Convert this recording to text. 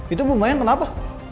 itu bu mayang kenapa